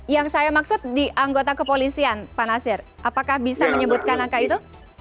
yang saya maksud di anggota kepolisian pak nasir apakah bisa menyebutkan angka itu